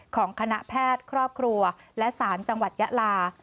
ของคณะแพทย์ครอบครัวและสารจังหวัดยะลา